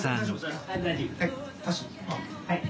はい。